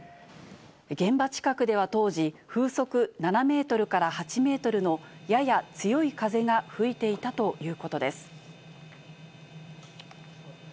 現場近くでは当時、風速７メートルから８メートルの、やや強い風が吹いていたということです。